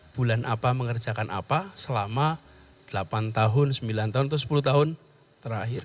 bulan apa mengerjakan apa selama delapan tahun sembilan tahun atau sepuluh tahun terakhir